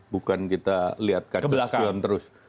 bukan kita lihat kasus down terus